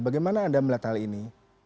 bagaimana anda melihat hal ini